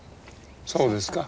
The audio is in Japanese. そうですか。